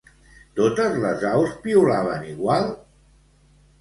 Totes les aus piulaven igual?